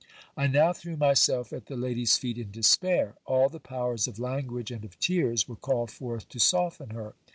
I now threw myself at the lady's feet in despair. All the powers of language and of tears were called forth to soften her.